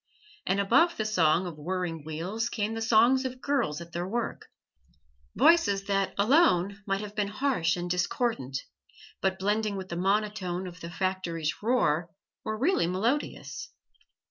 And above the song of whirring wheels came the songs of girls at their work voices that alone might have been harsh and discordant, but blending with the monotone of the factory's roar were really melodious.